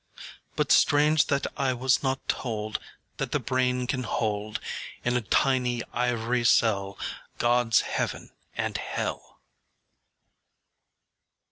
But strange that I was not told That the brain can hold In a tiny ivory cell Godâs heaven and hell.